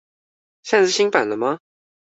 現在的是新版了嗎